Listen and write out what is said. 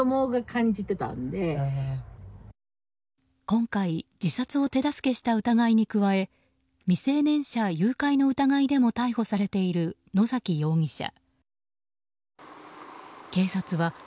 今回、自殺を手助けした疑いに加え未成年者誘拐の疑いでも逮捕されている野崎容疑者。